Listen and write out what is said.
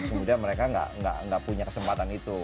semudah mereka gak punya kesempatan itu